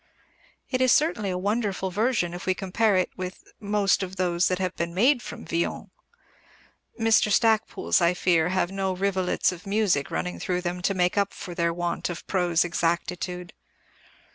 It is certainly a wonderful version if we compare it with most of those that have been made from Villon. Mr. Stacpoole's, I fear, have no rivulets of music running through them to make up for their want of prose exactitude.